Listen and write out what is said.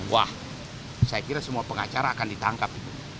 wah saya kira semua pengacara akan ditangkap